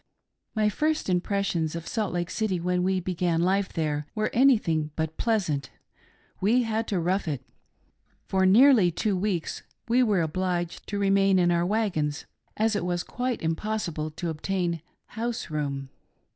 My first impressions of Salt Lake City when we began life there were anything but pleasant^ — we had to "rough it." For nearly two weeks we were obliged to remain in our wagons, as it was quite impossible to obtain house room.